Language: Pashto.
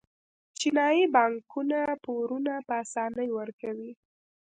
چینايي بانکونه پورونه په اسانۍ ورکوي.